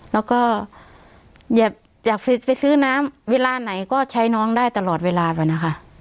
แล้วก็อย่าไปซื้อน้ำเวลาไหนก็ใช้น้องได้ตลอดเวลาไปนะคะ